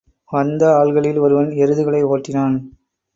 வந்த ஆள்களில் ஒருவன் எருதுகளை ஒட்டினான்.